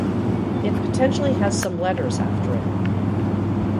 It potentially has some letters after it.